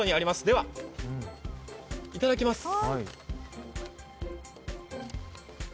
では、いただきます！